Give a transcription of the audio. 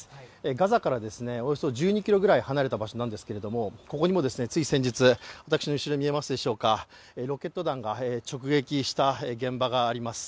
ガザからおよそ１２ｋｍ位離れた街なんですけどもここにもつい先日、私の後ろに見えますでしょうか、ロケット弾が直撃した現場があります。